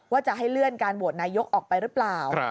ว่าจะให้เลื่อนการโหวตนายกออกไปหรือเปล่า